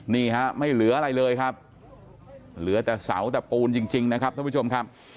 นี่ฮะไม่เหลืออะไรเลยครับเหลือแต่เสาแต่ปูนจริงนะครับท่านผู้ชมครับ